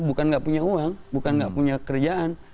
bukan nggak punya uang bukan nggak punya kerjaan